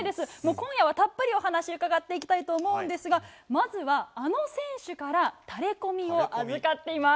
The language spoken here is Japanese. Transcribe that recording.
今夜はたっぷりお話伺っていきたいと思うんですが、まずは、あの選手からタレコミを預かっています。